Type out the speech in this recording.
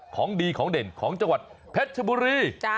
ของดีของเด่นของจังหวัดเพชรชบุรี